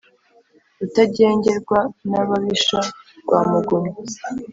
Rutagengerwa n’ababisha rwa Mugumya